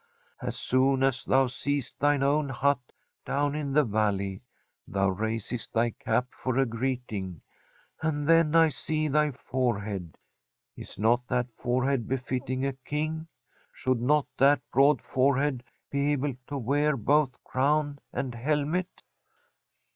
As soon as thou seest thine own hut down in the valley, thou raisest thy cap for a greeting, and then I see thy forehead. Is not that forehead befitting a King? Should not that broad forehead be able to wear both crown and helmet